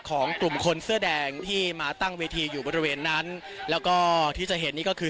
ของกลุ่มคนเสื้อแดงที่มาตั้งเวทีอยู่บริเวณนั้นแล้วก็ที่จะเห็นนี่ก็คือ